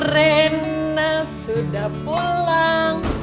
rena sudah pulang